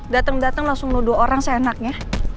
dateng dateng langsung nuduh orang seenaknya